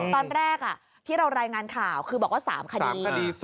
ตอนแรกที่เรารายงานข่าวคือบอกว่า๓คดี